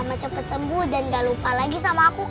biar mama cepet sembuh dan gak lupa lagi sama aku kek